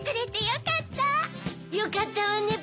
よかったわね